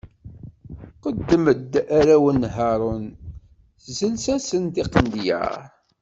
Qeddem-d arraw n Haṛun, Ẓẓels-asen tiqendyar.